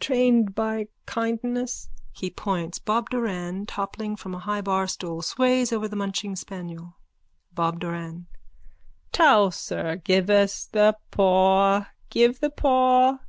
Trained by kindness. (He points. Bob Doran, toppling from a high barstool, sways over the munching spaniel.) BOB DORAN: Towser. Give us the paw. Give the paw.